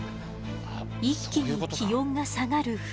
一気に気温が下がる冬。